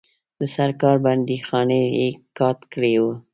د سرکار بندیخانې یې کاټ کړي وه.